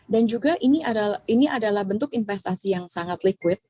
dan juga ini adalah bentuk investasi yang sangat liquid